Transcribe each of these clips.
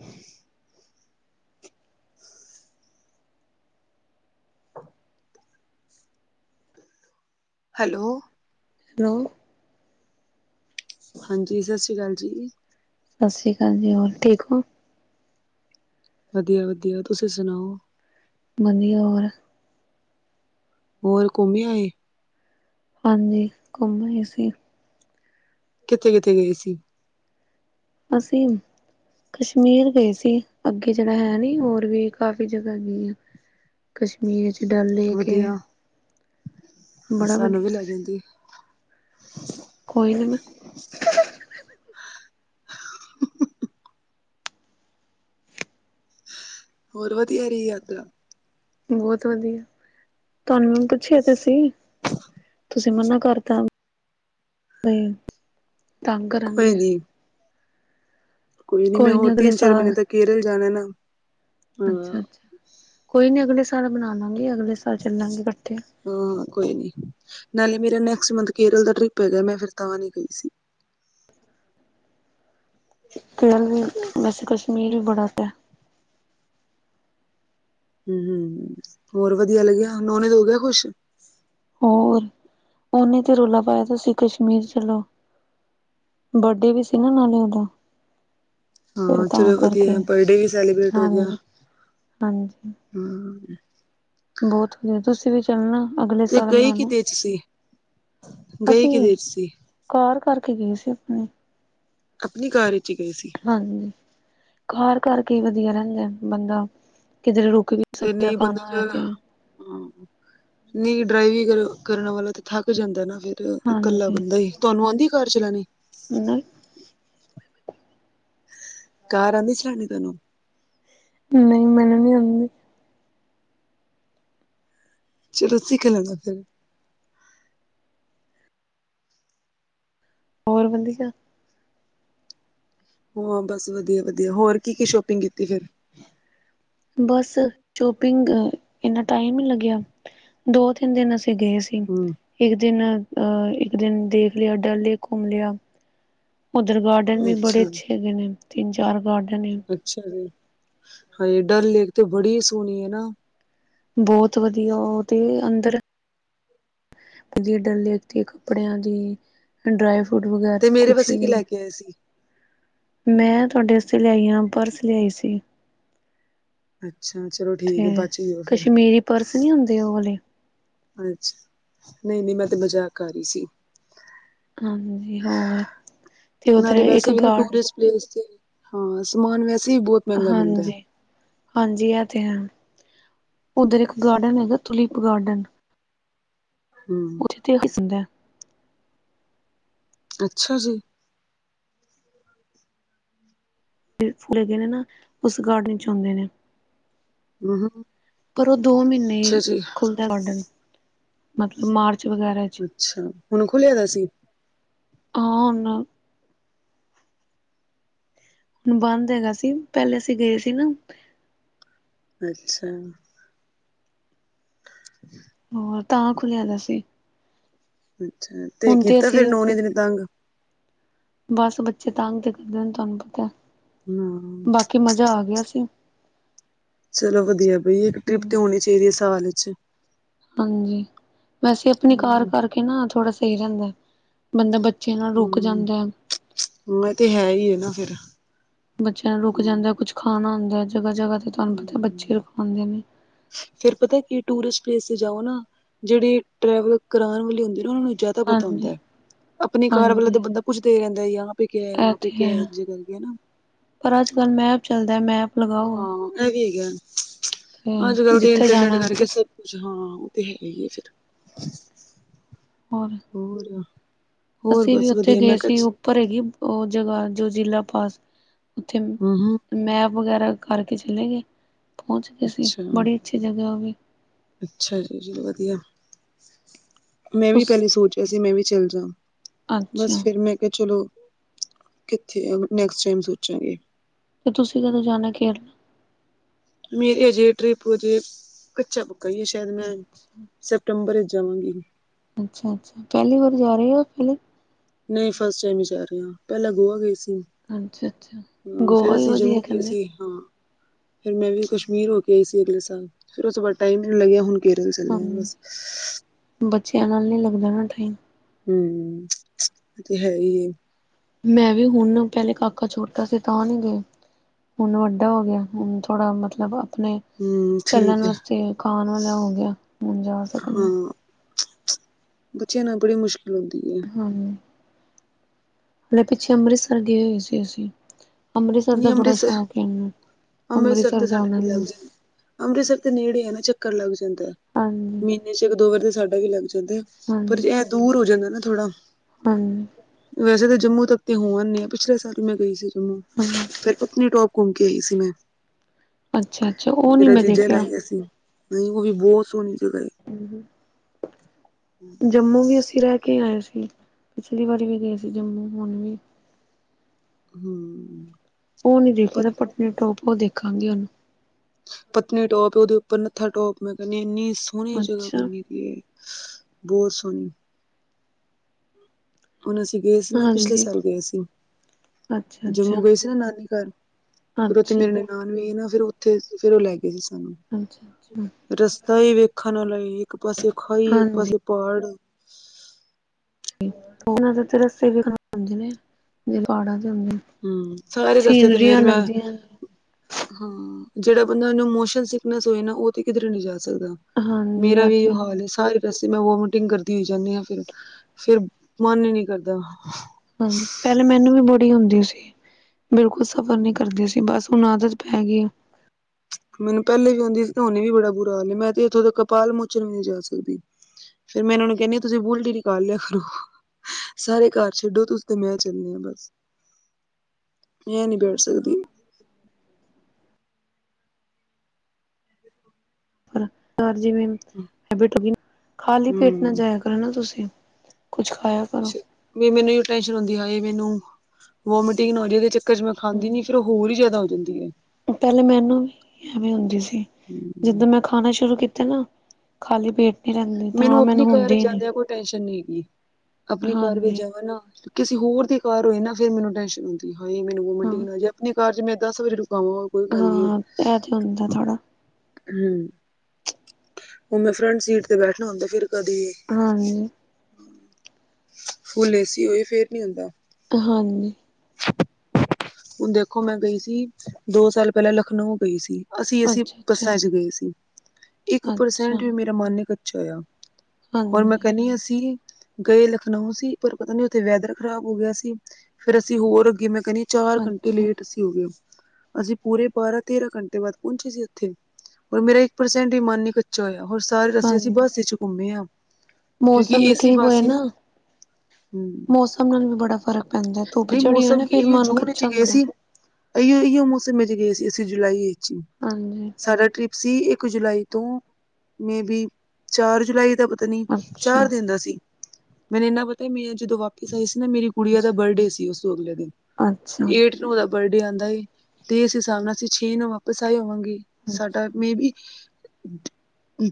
ਹੂੰ, hello, hello, ਹਾਂਜੀ ਸਤਿ ਸ਼੍ਰੀ ਅਕਾਲ ਜੀ। ਸਤਿ ਸ਼੍ਰੀ ਅਕਾਲ ਜੀ, ਹੋਰ ਠੀਕ ਔ? ਵਧੀਆ-ਵਧੀਆ। ਤੁਸੀਂ ਸੁਨਾਓ? ਵਧੀਆ। ਹੋਰ? ਹੋਰ ਘੁੰਮ ਆਏ? ਹਾਂਜੀ ਘੁੰਮ ਆਏ ਅਸੀ। ਕਿੱਥੇ-ਕਿੱਥੇ ਗਏ ਸੀ ਤੁਸੀ? ਕਸ਼ਮੀਰ ਗਏ ਸੀ ਅੱਗੇ ਜੜਾ ਹੈ ਨੀ ਹੋਰ ਵੀ ਕਾਫ਼ੀ ਜਗਾ ਗਈ ਆਂ। ਕਸ਼ਮੀਰ 'ਚ ਡਲ ਲੇਕ ਏ। ਅ ਸਾਨੂੰ ਵੀ ਲੈ ਵਧੀਆ ਜਾਂਦੇ। ਕੋਈ ਨੀ ਮੈਂ ਹੋਰ ਵਧੀਆ ਰਈ ਯਾਤਰਾ? ਬੋਤ ਵਧੀਆ। ਤੁਆਨੂੰ ਮੈ ਪੁੱਛਿਆ ਤੇ ਸੀ। ਤੁਸੀਂ ਮੰਨੋ ਘਰ ਕੰਮ, ਨਈ ਤੰਗ ਕਰ ਕੋਈ ਨੀ ਕੋਈ ਨੀ ਮੈਂ ਹੋਰ ਤਿੰਨ-ਚਾਰ ਮੀਂਨੇ ਤ ਕੇਰਲ ਜਾਨੈ ਨਾ ਹਾਂ ਅੱਛਾ-ਅੱਛਾ। ਕੋਈ ਨੀ ਅਗਲੇ ਸਾਲ ਬਨਾ ਲਾਂਗੇ। ਅਗਲੇ ਸਾਲ ਚੱਲਾਂਗੇ ਕੱਠੇ। ਹਾਂ ਕੋਈ ਨੀ, ਨਾਲੇ ਮੇਰਾ ਨੈਕਸਟ ਮੰਥ ਕੇਰਲ ਦਾ ਟ੍ਰਿਪ ਹੈਗੈ ਮੈਂ ਫਿਰ ਤਾਂ ਨੀ ਗਈ ਸੀ। ਕੇਰਲ ਵੀ ਵੈਸੇ ਕਸ਼ਮੀਰ ਵੀ ਬੜਾ ਤੈ ਹੂੰ, ਹੋਰ ਵਧੀਆ ਲੱਗਿਆ? ਨੋਣੇ ਦ ਹੋ ਗਿਆ ਖੁਸ਼ ਹੋਰ, ਓਨੇਂ ਤੇ ਰੌਲਾ ਪਾਇਐ, ਤੁਸੀਂ ਕਸ਼ਮੀਰ ਚੱਲੋ। ਬਰਦੇ ਵੀ ਸੀ ਨਾ ਨਾਲੇ ਓਦਾ। ਹਾਂ, ਚਲੋ ਵਧੀਐ। ਬਰਡੇ ਵੀ ਸੈਲੀਬ੍ਰਟ ਹੋ ਗਿਆ, ਹਾਂਜੀ ਹੂੰ। ਬੋਤ ਵਧੀਆ, ਤੁਸੀ ਵੀ ਚੱਲਨੈ ਅਗਲੇ ਤੇ ਸਾਲ ਗਏ ਓਨਾਂ ਨੇ। ਕਿਦੇ ਚ ਸੀ ਗਏ ਅਸੀ ਵੀ ਕਿਦੇ ਚ ਸੀ ਕਾਰ ਕਰਕੇ ਗਏ ਸੀ, ਆਪਨੀ। ਆਪਨੀ ਕਾਰ ਇੱਚ ਈ ਗਏ ਸੀ। ਹਾਂਜੀ, ਕਾਰ ਕਰ ਕੇ ਈ ਵਧੀਆ ਰੈਂਦੇ ਨ। ਬੰਦਾ ਕਿਧਰੇ ਰੁੱ ਕ ਵੀ ਤੇ ਸਕਦੈ ਨਹੀਂ ਬੰਦਾ ਖਾਨਾ ਆਯਾ ਜ ਤੀ ਹਾਂ ਨਈ ਡਰਾਈਵੀ ਕਰਨ, ਕਰਨ ਵਾਲਾ ਤੇ ਥੱਕ ਜਾਂਦੈ ਨਾ ਫੇਰ। ਤੇ ਇਕੱਲਾ ਹਾਂਜੀ ਬੰਦਾ ਈ, ਤੁਆਨੂੰ ਆਂਦੀ ਏ ਕਾਰ ਚਲਾਨੀ? ਮਿੰਨੂ ਈ? ਕਾਰ ਆਂਦੀ ਏ ਚਲਾਨੀ ਤੇਨੂੰ। ਤੇ ਨਈ ਮੈਨੂੰ ਨੀ ਆਂਨੀ। ਚਲੋ ਚਿਕਨ ਲੈ ਨਾਂ ਫੇਰ। ਹੋਰ ਵਧੀਆ? ਉਵਾਂ ਬਸ ਵਧੀਆ ਈ ਵਧੀਆ। ਹੋਰ ਕੀ-ਕੀ ਸ਼ੋਪਿੰਗ ਕੀਤੀ ਫੇਰ? ਬਸ, ਚੋਪਿੰਗ ਅ ਏਨਾਂ ਟਾਈਮ ਨੀ ਲੱਗਿਆ। ਦੋ-ਤਿੰਨ ਦਿਨ ਅਸੀਂ ਗਏ ਸੀ। ਹਮ ਇੱਕ ਦਿਨ ਅ ਇੱਕ ਦਿਨ ਦੇਖ ਲਿਆ ਡਲ ਲੇਕ ਘੁੰਮ ਲਿਆ। ਓਧਰ ਗਾਰਡਨ ਵੀ ਬੜੇ ਅੱਛਾ ਅੱਛੇ ਹੈਗੇ ਨੇ, ਤਿੰਨ-ਚਾਰ ਗਾਰਡਨ ਨੇ। ਅੱਛਾ ਜੀ। ਹਾਂ, ਡਲ ਲੇਕ ਤੇ ਬੜੀ ਸੋਨੀ ਏ ਨਾ। ਬੋਹੋਤ ਵਧੀਆ ਓਹ ਤੇ ਅੰਦਰ ਅਜੇ ਡਲ ਲੇਕ ਦੀ ਕੱਪੜਿਆਂ ਦੀ, ਅ ਡਰਾਈ ਫਰੂਟ ਵਗੈਰ ਤੇ ਮੇਰੇ ਕੁਛ ਵਾਸਤੇ ਕੀ ਵੀ ਲੈ ਕੇ ਆਏ ਸੀ ਮੈਂ ਤੁਆਡੇ ਆਸਤੇ ਲਿਆਈ ਆਂ, ਬਰਫ ਲਿਆਈ ਸੀ। ਅੱਛਾ ਚਲੋ ਠੀਕ ਤੇ ਹੈ ਬਚ ਗਏ ਹੋ ਫਿਰ ਕਸ਼ਮੀਰੀ ਪਰਸ ਨੀ ਹੁੰਦੇ ਓ ਵਾਲੇ। ਅੱਛ, ਨਈ -ਨਈ ਮੈ ਤੇ ਮਜਾਕ ਕਰ ਰੀ ਸੀ। ਹਾਂਜੀ, ਹੋਰ ਤੇ ਓਧਰ ਨਾਲੇ ਇੱਕ ਵੈਸੇ ਵੀ ਗਾਰਡ [unintelligible] ਹਾਂ, ਸਮਾਨ ਵੈਸੇ ਵੀ ਬੌਤ ਹਾਂਜੀ। ਹਾਂਜੀ, ਐ ਤੇ ਹੈ ਉੱਧਰ ਇੱਕ ਗਾਰਡਨ ਹੈਗਾ ਤੁਲੀਪ ਗਾਰਡਨ। ਹੁੰ ਏਥੇ ਹਸਦੈ। ਅੱਛਾ ਜੀ! ਫੁੱਲ ਹੈਗੇ ਨੇ ਨਾ ਉਸ ਗਾਰਡਨ ਚ ਹੁੰਦੇ ਨੇ। [inaudible] ਪਰ ਓ ਦੋ ਮੀਨੇ ਅੱਛਾ ਜੀ ਖੁੱਲਦੈ ਗਾਰਡਨ। ਮਤਲ ਮਾਰਚ ਵਗੈਰਾ ਚ ਅੱਛਾ ਹੁਣ ਖੁੱਲਿਆ ਦਾ ਸੀ ਹਾਂ ਹੁਨ ਬੰਦ ਹੈਗਾ ਸੀ ਪੈਲੇ ਅਸੀ ਗਏ ਸੀ ਨਾ। ਅੱਛਾ। [inaudible] ਹੋਰ, ਤਾਂ ਖੁੱਲਿਆ ਦਾ ਸੀ। ਅੱਛਾ ਤੇ ਹੁਣ ਕੀਤਾ ਫੇਰ ਅਸੀਂ ਨੌਨੇ ਦਿਨੇ ਤੰਗ? ਬੱਸ ਬੱਚੇ ਤੰਗ ਤੇ ਕਰਦੇ ਨੇ ਤਾਨੂੰ ਪਤੈ। ਹਾਂ ਬਾਕੀ ਮਜਾ ਆ ਗਿਆ ਸੀ। ਚਲੋ ਵਧੀਆ ਬਈ ਇੱਕ ਟ੍ਰਿਪ ਤੇ ਹੂੰ ਹੋਣੀ ਚਾਈਦੀ ਏ ਸਾਲ ਇੱਚ। ਹਾਂਜੀ, ਵੈਸੇ ਆਪਣੀ ਕਾਰ ਕਰਕੇ ਨਾ ਥੋੜਾ ਸਈ ਰੈਂਦਾ। ਬੰਦਾ ਬੱਚਿਆ ਨਾ ਰੁਕ ਹਮ ਜਾਂਦੈ। ਹਾਂ, ਇਹ ਤੇ ਹੈ ਹੀ ਹੈ ਨਾ ਫਿਰ ਬੱਚਿਆਂ ਨਾ ਰੁਕ ਹਮ ਜਾਂਦੈ ਕੁਛ ਖਾਨਾ ਹੁੰਦੈ ਜਗ੍ਹਾ -ਜਗ੍ਹਾ ਤੇ ਤਾਨੂੰ ਪਤਾ ਏ ਬੱਚੇ ਰੁਕਵਾਂਦੇ ਨੇ। ਫੇਰ ਪਤਾ ਕੀ ਟੂਰਿਸਟ ਪਲੇਸ ਤੇ ਜਾਓ ਨਾ ਜੇੜੇ ਟਰੈਵਲ ਕਰਾਣ ਵਾਲੇ ਹੁੰਦੇ ਨਾ ਉਨਾਂ ਨੂੰ ਜਿਆ ਦਾ ਪਤਾ ਹਾਂਜੀ ਹੁੰਦੈ ਆਪਨੀ ਕਾਰ ਵੇਲੇ ਤੇ ਹਾਂਜੀ ਬੰਦਾ ਪੁੱਛਦੇ ਰੈਂਦਾ ਯਹਾਂ ਪੇ ਕੇ ਐ ਇਹ ਵਹਾਂ ਪੇ ਤੇ ਕੈ ਆ ਹੈ ਐਂਜ ਕਰਕੇ ਨਾ। ਪਰ ਅੱਜ -ਕੱਲ ਮੈਪ ਚੱਲਦੈ, ਮੈਪ ਲਗਾਓ। ਐ ਵੀ ਹੇਗੈ ਤੇ ਅੱਜ ਕੱਲ ਤੇ ਜਿੱਥੇ ਇੰਟਰਨੈਟ ਜਾਣਾ ਕਰਕੇ ਸਬ ਕੁਛ ਹਾਂ, ਓ ਤੇ ਹੈ ਈ ਏ ਫਿਰ। ਹੋਰ। ਹੋਰ। ਹੋਰ ਅਸੀ ਵੀ ਬਸ ਉੱਥੇ ਵਧੀਆ ਗਏ ਮੈਂ ਸੀ ਓ ਕਿਹਾ ਭਰੇਗੀ ਓ ਜਗ੍ਹਾ ਜੋ ਜਿੱਲ੍ਹਾ ਪਾਸ ਉੱਥੇ ਹੂੰ ਹੂੰ ਮੈਪ ਵਗੈਰਾ ਕਰਕੇ ਚਲੇ ਗਏ ਪੌਂਚ ਗੇ ਸੀ ਅੱਛਾ। ਬੜੀ ਅੱਛੀ ਜਗ੍ਹਾ ਓ ਵੀ। ਅੱਛਾ ਜੀ -ਜੀ ਵਦੀਆ ਮੈਂ ਵੀ ਤੁਸ ਪੈਲੇ ਸੋਚਿਆ ਸੀ ਮੈਂ ਵੀ ਚੱਲ ਜਾਂ ਬਸ, ਅੱਛਾ ਫਿਰ ਮੈਂ ਕਿਆ ਚਲੋ ਕਿੱਥੇ ਐ ਨੈਕਸਟ ਟਾਈਮ ਸੋਚਾਂਗੇ। ਤੇ ਤੁਸੀ ਕਦੋਂ ਜਾਨੈ ਕੇਰਲ? ਮੇਰੀ ਅਜੇ ਟ੍ਰਿਪ ਅਜੇ ਕੱਚਾ ਪੱਕਾ ਈ ਏ ਸ਼ੈਦ ਮੈਂ ਸੈਪਟੰਬਰ ਇਚ ਜਾਵਾਂਗੀ। ਅੱਛਾ, ਅੱਛਾ ਪੈਲੀ ਵਾਰੀ ਜਾ ਰੇ ਓ ਪੈਲੇ ਨਈ ਫਸਟ ਟਾਈਮ ਈ ਜਾ ਰੇ ਆਂ ਪੈਲਾ ਗੋਆ ਗਏ ਸੀ। ਅੱਛਾ ਅੱਛਾ ਹਾਂ, ਫੇਰ ਗੋਆ ਹੀ ਅਸੀ ਜਮੂ ਵਧੀਆ ਗਏ ਕਹਿੰਦੇ ਸੀ ਹਾਂ। ਫਿਰ ਮੈਂ ਵੀ ਕਸ਼ਮੀਰ ਹੋ ਕੇ ਆਈ ਸੀ ਅਗਲੇ ਸਾਲ ਫੇਰ ਉਸ ਤੋ ਬਾਅਦ ਟਾਈਮ ਈ ਨੀ ਲੱਗਿਆ ਹੁਣ ਕੇਰਲ ਚੱਲੇ ਬਸ ਬੱਚੇਆਂ ਨਾਲ ਨੀਂ ਲੱਗਦਾ ਨਾ ਟਾਈਮ। ਹੂੰ [unintelligible] ਓਤੇ ਹੈ ਈਏ। ਮੈਂ ਵੀ ਹੁਨ ਪੈਲੇ ਕਾਕਾ ਛੋਟਾ ਸੀ ਤਾਂ ਨੀਂ ਗਏ। ਹੁਨ ਵੱਡਾ ਹੋ ਗਿਆ ਹੁਨ, ਥੋੜਾ ਮਤਲਬ ਅਪਨੇ ਹੂੰ ਚੱਲਣ ਠੀਕ ਹੈ ਵਾਸਤੇ ਖਾਣ ਵਾਲਾ ਹੋ ਗਯਾ ਹੁਣ, ਜਾ ਸਕਦੇ ਆ। [unintelligible] ਬੱਚੇਆਂ ਨਾਲ ਬੜੀ ਮੁਸ਼ਕਿਲ ਹੁੰਦੀਏ। ਹਾਂ। ਮਤਲਬ ਪਿੱਛੇ ਅੰਮ੍ਰਿਤਸਰ ਗਏ ਹੋਏ ਸੀ ਅਸੀ, ਅੰਮ੍ਰਿਤਸਰ ਦਾ ਨਹੀਂ ਬੜਾ ਅੰਮ੍ਰਿਤਸਰ ਸ਼ੌਕ ਏ ਏਨੂੰ। ਅੰਮ੍ਰਿਤਸਰ ਦਾ ਤੇ ਸਾਡਾ ਜਾਨਾ ਵੀ ਲੱਗ ਏਨੂੰ। ਜਾਂਦਾ ਅੰਮ੍ਰਿਤਸਰ ਦੇ ਨੇੜੇ ਆ ਨਾ ਚੱਕਰ ਲੱਗ ਜਾਂਦੈ। ਹਾਂਜੀ ਮੀਨੇ ਚ ਇੱਕ-ਦੋ ਵਾਰ ਤੇ ਸਾਡਾ ਵੀ ਲੱਗ ਜਾਂਦੈ, ਪਰ ਹਾਂਜੀ ਐ ਦੂਰ ਹੋ ਜਾਂਦੈ ਨਾ ਥੋੜਾ। ਹਾਂਜੀ। ਵੈਸੇ ਤਾਂ ਜੰਮੂ ਤੱਕ ਤੇ ਹੋਣ ਆਨੇ ਆ, ਪਿਛਲੇ ਸਾਲ ਮੈਂ ਗਈ ਸੀ ਜੰਮੂ। ਹਾਂਜੀ ਫੇਰ ਪਤਨੀਟੋਪ ਘੁੰਮ ਕੇ ਆਈ ਸੀ, ਮੈਂ ਅੱਛਾ ਅੱਛਾ ਉਹ ਨੀ ਮੇਰਾ ਮੈਂ ਜੀਜਾ ਲੈ ਦੇਖਿਆ ਗਯਾ ਸੀ। ਨਈਂ, ਓਵੀ ਬੋਤ ਸੋਣੀ ਜਗ੍ਹਾ ਏ। ਹੂੰ। ਜੰਮੂ ਵੀ ਅਸੀਂ ਰੈ ਕੇ ਆਏ ਸੀ ਪਿਛਲੀ ਵਾਰੀ ਵੀ ਗਏ ਸੀ, ਜੰਮੂ ਹੁਣ ਵੀ। ਹੂੰ। ਓ ਨੀਂ ਦੇਖੇਆ ਦਾ ਪਤਨੀਟੋਪ, ਓ ਦੇਖਾਂਗੇ ਹੋਨ। ਪਤਨੀਟੋਪ ਓਦੇ ਉਪਰ ਨੱਥਾਟੋਪ, ਮੈਂ ਕੈਂਨੀਆਂ ਏਨੀ ਸੋਣੀ ਜਗ੍ਹਾ ਅੱਛਾ ਬਣਨੀ ਦੀ। ਏ ਬੋਤ ਸੋਣੀ। ਹੁਨ ਅਸੀ ਗਏ ਸੀ ਨਾ, ਪਿਛਲੇ ਹਾਂਜੀ, ਸਾਲ ਗਏ ਸੀ। ਅੱਛਾ-ਅੱਛਾ, ਜੰਮੂ ਗਏ ਸੀ ਨਾ ਨਾਨੀ ਘਰ, ਫੇਰ ਓਥੇ ਅੱਛਾ, ਮੇਰੇ ਨਾਨ ਵਯੀ ਨਾ ਫੇਰ ਓਥੇ ਫੇਰ ਓ ਲੈ ਗਏ ਸੀ ਸਾਨੂੰ। ਅੱਛਾ-ਅੱਛਾ। ਰਸਤਾ ਏ ਵੇਖਣ ਆਲਾਏ, ਇੱਕ ਪਾਸੇ ਖਾਈ, ਇੱਕ ਹਾਂਜੀ, ਪਾਸੇ ਪਾੜ। ਓਨਾਂ ਦੇ ਰੱਸੇ ਵੀ ਖਤਰਨਾਕ ਹੁੰਦੇ ਨੇ, ਜਿਵੇ ਪਹਾੜਾ ਦੇ ਹੁੰਦੇ ਨੇ। ਹੂੰ, ਸਾਰੇ ਰਸਤੇ ਤੇ ਸੀਨਰੀਆਂ ਫੇਰ ਮੈਂ ਲੱਗਦੀਆਂ ਨੇ। ਹਾਂ, ਜੇੜਾ ਬੰਦਾ ਮੋਸ਼ਨ ਸਿਕਨੈੱਸ ਹੋਏ ਨਾ ਓਤੇ ਕਿਦਰੇ ਨੀਂ ਜਾ ਸਕਦਾ। ਹਾਂਜੀ ਮੇਰਾ ਐ ਵੀ ਤੇ ਏਈਓ ਹੈ, ਹਾਲ ਏ, ਸਾਰੇ ਰਸਤੇ ਮੈਂ ਵੋਮੀਟਿੰਗ ਕਰਦੀ ਹੋਈ ਜਾਂਨੀ ਆਂ, ਫੇਰ ਫੇਰ ਮਨ ਈ ਨੀ ਕਰਦਾ। ਹਾਂਜੀ ਮੈਨੂੰ ਵੀ ਬੜੀ ਹੁੰਦੀ ਸੀ ਬਿਲਕੁਲ ਸਫਰ ਨੀ ਕਰਦੀ ਸੀ ਬਸ, ਹੁਣ ਆਦਤ ਪੈ ਗਈਏ। ਮੈਨੂੰ ਪੈਲੇ ਵੀ ਆਂਦੀ ਸੀ ਤੇ ਹੁੰਨ ਵੀ ਬੜਾ ਬੁਰਾ ਹਾਲ ਏ। ਮੈਂ ਤੇ ਏਥੋਂ ਤਕ ਕਪਾਲ ਮੋਚਨ ਵੀ ਨੀਂ ਜਾ ਸਕਦੀ। ਫੇਰ ਮੈਂ ਏਨਾਂ ਨੂੰ ਕੈਂਨੀ ਆਂ, ਤੁਸੀਂ ਬੁਲਟ ਈ ਨਿਕਾਲ ਲਿਆ ਕਰੋ। ਸਾਰੇ ਘਰ ਛੱਡੋ, ਤੁਸੀ ਤੇ ਮੈਂ ਚੱਲਨੇ ਆਂ ਬਸ। ਮੈਂ ਨੀਂ ਬੈਠ ਸਕਦੀ। ਹਾਂ, ਜਿਵੇ ਹੈਬਿਟ ਹੋ ਗਈ ਨਾਂ ਖਾਲੀ ਪੇਟ ਨਾ ਹੂੰ। ਜਾਯਾ ਕਰੋ। ਕਰੋ ਨਾ ਤੁਸੀਂ, ਕੁੱਛ ਖਾਯਾ ਵੀ ਮੈਨੂੰ ਏਈਓ ਟੈਸ਼ਨ ਹੁੰਦੀ ਹਾਏ! ਮੈਨੂੰ ਵੋਮੀਟਿੰਗ ਨਾ ਹੋ ਜਾਵੇ ਏਦੇ ਚੱਕਰ ਚ ਮੈਂ ਖਾਂਦੀ ਨੀ ਫੇਰ ਓ ਹੋਰ ਈ ਜਾਦਾ ਹੋ ਜਾਂਦੀਏ। ਪੈਲੇ ਮੈਨੂੰ ਵੀ ਐਵੇਂ ਹੁੰਦੀ ਸੀ ਜਿੱਦਨ ਮੈਂ ਖਾਣਾ ਸ਼ੁਰੂ ਕੀ ਕੀਤਾ ਨਾ, ਖਾਲੀ ਪੇਟ ਨਈਂ ਰੈਂਦੀ ਤਾਂ ਮੈਨੂੰ ਹੁੰਦੀ ਨੀਂ। ਟੈਸ਼ਨ ਨੀਂ ਹੈਗੀ ਅਪਨੀ ਕਾਰ ਵਿੱਚ ਹਾਂਜੀ ਜਾਵਾਂ ਨਾ, ਕਿਸੇ ਹੋਰ ਦੀ ਕਾਰ ਹੋਏ ਨਾ ਫੇਰ ਮੈਨੂੰ ਟੈਸ਼ਨ ਹੁੰਦੀ। ਹਾਂ, ਮੈਨੂੰ ਜੇ ਹਾਂ ਵੋਮਟਿੰਗ ਆ ਜਏ, ਅਪਨੀ ਕਾਰ 'ਚ ਮੈਂ ਦਸ ਵਾਰੀ ਰੁਕਾਵਾਂ। ਕੋਈ ਗੱਲ ਨੀ, ਹਾਂ। ਇਹ ਤੇ ਹੁੰਦਾ ਥੋੜਾ ਹੂੰ, ਉਹ ਮੈਂ ਫਰੰਟ ਸੀਟ 'ਤੇ ਬੈਠਨਾ ਹੁੰਦੈ, ਫਿਰ ਕਦੀ। ਹਾਂਜੀ। ਫੁੱਲ ਏ, ਸੀ, ਹੋਏ, ਫੇਰ ਨੀ ਹੁੰਦਾ। ਤਾਂ ਹਾਂਜੀ। ਹੁਨ ਦੇਖੋ ਮੈਂ ਗਈ ਸੀ, ਦੋ ਸਾਲ ਪੈਲੇ ਲਖਨਊ ਗਈ ਸੀ। ਅਸੀਂ-ਅਸੀਂ, ਅੱਛਾ ਬੱਸਾਂ 'ਚ ਅੱਛਾ ਗਏ ਸੀ, ਇੱਕ ਅੱਛਾ ਪਰਸੈਂਟ ਵੀ ਮੇਰਾ ਮਨ ਨੀ ਕੱਚਾ ਹੋਇਆ। ਹੋਰ ਮੈਂ ਹਾਂਜੀ ਕੇਆ, ਨਈ ਹਸੀ। ਗਏ ਲਖਨਊ ਸੀ, ਪਰ ਪਤਾ ਨੀ ਉੱਥੇ ਵੈਦਰ ਖ਼ਰਾਬ ਹੋ ਗਿਆ ਸੀ। ਫੇਰ ਅਸੀਂ ਹੋਰ ਅੱਗੇ ਮੈਂ ਕੈੰਨੀ ਚਾਰ ਘੰਟੇ ਅੱਛਾ ਲੇਟ ਅਸੀਂ ਹੋ ਗਏ, ਅਸੀਂ ਪੂਰੇ ਬਾਰਾਂ-ਤੇਰਾਂ ਘੰਟੇ ਬਾਦ ਪੌਂਚੇ ਸੀ ਉੱਥੇ। ਮੇਰਾ ਇੱਕ ਪਰਸੈਂਟ ਵੀ ਮਨ ਨੀ ਕੁ ਚਯੋ, ਹੋਰ ਸਾਰੇ ਰਸਤੇ ਅਸੀਂ ਹਾਂਜੀ ਬੱਸ 'ਚ ਘੁੰਮੇ ਆ, ਕਿਉਂਕਿ ਮੌਸਮ ਏ, ਵੀ ਸੀ, ਠੀਕ ਬੱਸ ਹੋਏ ਸੀ ਨਾ। ਹਮ ਮੌਸਮ ਨਾਲ ਵੀ ਬੜਾ ਫ਼ਰਕ ਪੈਂਦੈ, ਧੁੱਪ ਨਹੀਂ ਚੜੀ ਏ ਮੌਸਮ ਨਾ ਫਿਰ ਕੀ ਮਨ ਜੂਨ ਕੱਚਾ ਚ ਗਏ ਹੁੰਦਾ ਸੀ, ਅਈਓ-ਅਈਓ, ਮੌਸਮ ਵਿੱਚ ਗਏ ਸੀ ਅਸੀਂ ਜੁਲਾਈ ਵਿੱਚ, ਹਾਂਜੀ ਸਾਡਾ ਟ੍ਰਿਪ। ਸੀ ਇੱਕ ਜੁਲਾਈ ਤੋਂ, ਮੇ ਬੀ। ਚਾਰ ਜੁਲਾਈ ਦਾ ਪਤਾ ਨੀ, ਅੱਛਾ ਚਾਰ ਦਿਨ ਦਾ ਸੀ। ਮੈਨੂੰ ਇੰਨਾ ਪਤਾ ਮੈਂ ਜਦੋਂ ਵਾਪਿਸ ਆਈ ਸੀ ਨਾ, ਮੇਰੀ ਕੁੜੀ ਦਾ ਬਰਡੇ ਸੀ ਉਸ ਤੋ ਅਗਲੇ ਦਿਨ। ਅੱਛਾ। ' ਤੇ ਓਦਾ ਬਰਡੇ ਆਂਦਾ ਸੀ, 'ਤੇ ਇਸ ਹਿਸਾਬ ਨਾਲ ਅਸੀਂ ਛੇ ਨੂੰ ਵਾਪਿਸ ਆਈ ਹੋਵਾਂਗੀ। ਸਾਡਾ, ਮੇ ਬੀ,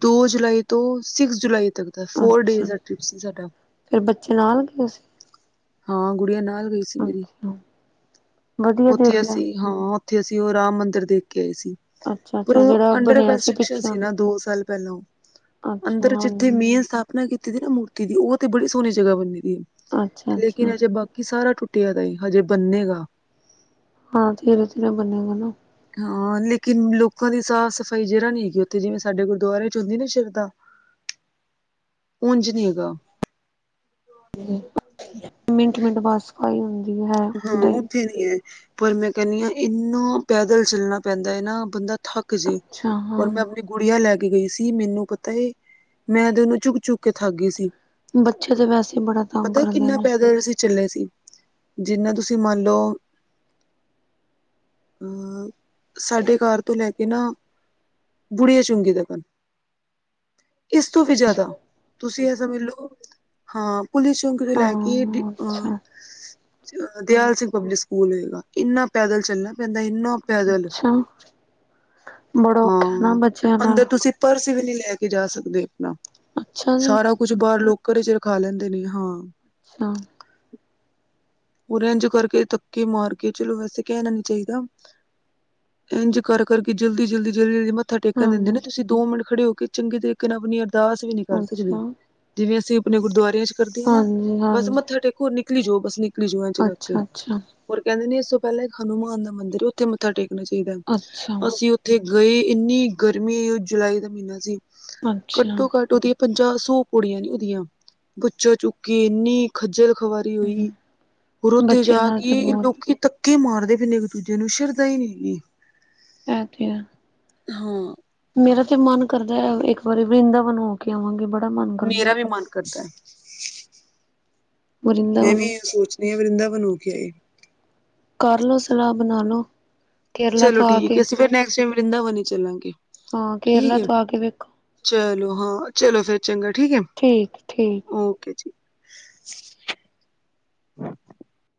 ਦੋ ਜੁਲਾਈ ਤੋਂ ਸਿਕਸ ਜੁਲਾਈ ਤੱਕ। ਦਾ ਫੋਰ ਡੇਜ਼ ਦਾ ਟ੍ਰਿਪ ਸੀ ਸਾਡਾ। ਫੇਰ ਬੱਚੇ ਨਾਲ ਗਏ ਸੀਂ। ਹਾਂ, ਗੁੜੀਆਂ ਨਾਲ ਗਈ ਸੀ ਮੇਰੀ, ਅੱਛਾ ਵਧੀਆ ਓੱਥੇ ਦੇਖ ਲਿਆ ਅਸੀਂ ਹਾਂ, ਉੱਥੇ ਅਸੀਂ ਉਹ ਰਾਮ ਮੰਦਿਰ ਦੇਖ ਕੇ ਆਏ ਸੀ। ਅੱਛਾ ਪਰ ਅੱਛਾ ਉਹ, ਜਿਹੜਾ ਅੰਡਰ ਬਣਿਆ ਕੰਸਟਰਕਸ਼ਨ ਪਿੱਛੇ ਸੀ ਨਾ ਦੋ ਸਾਲ ਪੈਂਲੋ। ਅੱਛਾ ਅੰਦਰ ਜਿੱਥੇ ਹਾਂਜੀ ਮੇਨ ਸਥਾਪਨਾ ਕੀਤੀ ਸੀ ਨਾ ਮੂਰਤੀ ਦੀ, ਉਹ 'ਤੇ ਬੜੀ ਸੋਣੀ ਜਗ੍ਹਾ ਬਨੀ ਦੀ ਏ। ਅੱਛਾ ਲੇਕਿਨ ਅੱਛਾ ਅਜੇ ਬਾਕੀ ਸਾਰਾ ਟੁੱਟਿਆ ਦੈ ਈ, ਹਜੇ ਬੰਨੇਗਾ। ਹਾਂ, ਧੀਰੇ-ਧੀਰੇ ਬਨੇਗਾ ਨਾ। ਹਾਂ, ਲੇਕਿਨ ਲੋਕਾਂ ਦੀ ਸਾਫ਼ ਸਫ਼ਾਈ ਜਰਾ ਨੀ ਹੈਗੀ ਉੱਥੇ, ਜਿਵੇਂ ਸਾਡੇ ਗੁਰਦੁਆਰਿਆਂ 'ਚ ਹੁੰਦੀ ਏ ਨਾ ਸ਼ਰਧਾ। ਉਂਜ ਨੀ ਹੈਗਾ। ਹੂੰ। ਮਿੰਟ-ਮਿੰਟ, ਬਸ। ਹਾਂ, ਉੱਥੇ ਨੇ। ਪਰ ਮੈਂ ਕੈਂਨੀ ਆ, ਇੰਨਾ ਪੈਦਲ ਚੱਲਨਾ ਪੈਂਦੈ ਨਾ, ਬੰਦਾ ਥੱਕ ਕਸੀ, ਅੱਛਾ ਹਾਂ ਹੋਰ ਪ੍ਰਭ 'ਤੇ ਗੁੜੀਆਂ ਲੈ ਕੇ ਗਈ ਸੀ, ਮੈਨੂੰ ਪਤੈ ਏ, ਮੈਂ 'ਤੇ ਉਨੂੰ ਚੁੱਕ- ਚੁੱਕ ਕੇ ਥੱਕ ਗਈ ਸੀ। ਬੱਚੇ 'ਤੇ ਵੈਸੇ ਈ ਬੜਾ ਤੰਗ ਪਤਾ ਕਰਦੇ ਕਿੰਨਾ ਨੇ। ਪੈਦਲ ਅਸੀਂ ਚੱਲੇ ਸੀ। ਜਿੰਨਾ ਤੁਸੀਂ ਮੰਨ ਲਓ, ਅਹ। ਸਾਡੇ ਘਰ ਤੋਂ ਲੈ ਕੇ ਨਾ, ਬੁੜੀਆਂ ਚੁੰਗੀ ਤੱਕਨ। ਇਸ ਤੋਂ ਵੀ ਜਾਦਾ, ਤੁਸੀਂ ਏਅ ਸਮਝ ਲਓ, ਹਾਂ ਪੁਲਿਸ ਚੋਂਕ ਰਿਲੈ ਕੇ ਡੀ, ਹਾਂ ਅਹ। ਅੱਛਾ ਦਿਆਲ ਸਿੰਘ ਪਬਲਿਕ ਸਕੂਲ ਹੋਏਗਾ, ਇੰਨਾ ਪੈਦਲ ਚੱਲਨਾ ਪੈਂਦੈ, ਇੰਨਾ ਪੈਦਲ। ਤਾਂ। ਹਾਂ ਆ ਨਾਲ ਅੰਦਰ ਤੁਸੀਂ ਪਰਸ ਵੀ ਨਹੀ ਲੈ ਕੇ ਜਾ ਸਕਦੇ ਆਪਣਾ ਅੱਛਾ ਜੀ ਸਾਰਾ ਆ ਕੁਛ ਬਾਹਰ ਲੋਕਰ ਘਰੇ ਚ ਰਖਾ ਲੈਂਦੇ ਨੇ ਹਾਂ ਆ ਸਣਾ ਆ ਉਰੇ ਏਜ ਕਰਕੇ ਤੱਕੇ ਮਾਰ ਕੇ ਚਲੋ ਵੈਸੇ ਕਹਿਣਾ ਨੀ ਚਾਹੀਦਾ ਆ ਇੰਝ ਕਰਕੇ ਜਲਦੀ ਈ ਜਲਦੀ ਈ ਜਲਦੀ ਈ ਮੱਥਾ ਟੇਕਣ ਦਿੰਦੇ ਹਾਂ ਨੇ ਤੁਸੀਂ ਦੋ ਮਿੰਟ ਆ ਖੜੇ ਹੋ ਕੇ ਚੰਗੇ ਤਰੀਕੇ ਨਾਲ ਆਪਣੀ ਅਰਦਾਸ ਵੀ ਨਹੀਂ ਕਰ ਸਕਦੇ ਏ ਅੱਛਾ ਜਿਵੇਂ ਅਸੀਂ ਆਪਣੇ ਗੁਰਦਆਰਿਆਂ ਚ ਕਰਦੇ ਆ ਨਾ ਹਾਂਜੀ ਬਸ ਹਾਂਜੀ ਮੱਥਾ ਟੇਕ ਹੋਰ ਨਿਕਲੀ ਜੋਓ ਬਸ ਨਿਕਲੀ ਜੋਓ ਅੱਜ ਕਰਕੇ ਅੱਛਾ ਅੱਛਾ ਹੋਰ ਕਹਿੰਦੇ ਨੇ ਇਸ ਤੋਂ ਪਹਿਲਾਂ ਇੱਕ ਹਨੂੰਮਾਨ ਦਾ ਮੰਦਿਰ ਉਹ ਉੱਥੇ ਏ ਮੱਥਾ ਟੇਕਣਾ ਚਾਈਦਾ ਅੱਛਾ ਅਸੀਂ ਉੱਥੇ ਗਏ ਇੰਨੀ ਗਰਮੀ ਉਹ ਜੁਲਾਈ ਦਾ ਮਹੀਨਾ ਸੀ ਅੱਛਾ ਘੱਟੋ ਓ ਘੱਟ ਉਹਦੀ ਆ ਪੰਜਾਹ ਸੌ ਪੁੜੀਆਂ ਨੀ ਉਹਦੀਆਂ ਬੱਚਾ ਚੁੱਕੇ ਇੰਨੀ ਖੱਜਲ ਖਵਰੀ ਹੋਈ ਈ ਹੋਰ ਉੱਥੇ ਬੱਚਿਆਂ ਜਾ ਨਾਲ ਕੇ ਤੇ ਏ ਬਹੁਤ ਲੋਕੀ ਧੱਕੇ ਮਾਰਦੇ ਪੇਨੇ ਇੱਕ ਦੂਜੇ ਨੂੰ ਸ਼ਰਧਾ ਨੀ ਹੈਗੀ ਈ ਐ ਤੇ ਆ ਹਾਂ ਆ ਮੇਰਾ ਤੇ ਮਨ ਕਰਦਾ ਐ ਇੱਕ ਵਾਰੀ ਵਰਿੰਦਾਵਨੋ ਹੋ ਕੇ ਆਵਾਂਗੇ ਏ ਬੜਾ ਮਨ ਆ ਮੇਰਾ ਵੀ ਮਨ ਕਰਦਾ ਐ ਮੈਂ ਵਰਿੰਦਾਵਨ ਵੀ ਇਹ ਸੋਚਣੀ ਆ ਵਰਿੰਦਾਬਣ ਹੋ ਕੇ ਆਏ ਕਰਲੋ ਸਲਾਹ ਬਣਾ ਲੋ ਕੇਰਲਾ ਚਲੋ ਤੋਂ ਆ ਠੀਕ ਏ ਕੇ ਐ ਅਸੀਂ ਫਿਰ ਨੈਕਸ ਟੈਮ ਵਿੰਰਦਾਵਨ ਚੱਲਾਂਗੇ ਏ ਹਾਂ ਠੀਕ ਕੇਰਲਾ ਐ ਤੋਂ ਆ ਕੇ ਵੇਖੋ ਚਲੋ ਹਾਂ ਆ ਚਲੋ ਫੇਰ ਚੰਗਾ ਠੀਕ ਐ ਠੀਕ ਠੀਕ ਓਕੇ ਜੀ ਈ